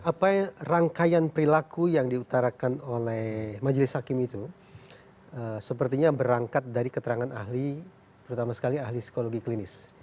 apa rangkaian perilaku yang diutarakan oleh majelis hakim itu sepertinya berangkat dari keterangan ahli terutama sekali ahli psikologi klinis